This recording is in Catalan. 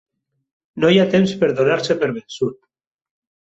No hi ha temps per donar-se per vençut!